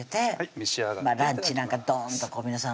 ランチなんかどーんと皆さん